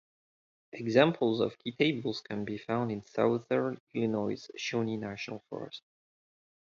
Examples of tea tables can be found in southern Illinois' Shawnee National Forest.